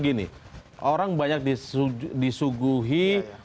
ini orang banyak disuguhi